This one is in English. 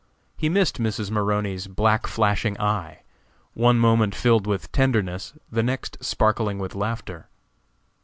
He missed Mrs. Maroney's black flashing eye, one moment filled with tenderness, the next sparkling with laughter.